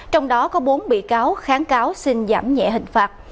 trong đó có bốn bị cáo kháng cáo xin giảm nhẹ hình phạt